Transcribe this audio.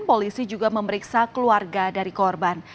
polisi juga memeriksa keluarga dari korban